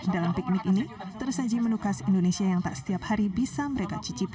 dalam piknik ini tersaji menu khas indonesia yang tak setiap hari bisa mereka cicipi